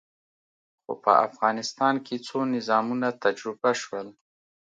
خو په افغانستان کې څو نظامونه تجربه شول.